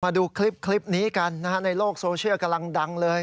มาดูคลิปนี้กันนะฮะในโลกโซเชียลกำลังดังเลย